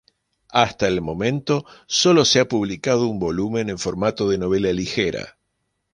Hasta el momento solo se ha publicado un volumen en formato de novela ligera.